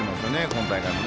今大会も。